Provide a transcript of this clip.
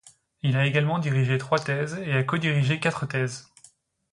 Il a également dirigé trois thèses et a codirigé quatre thèses.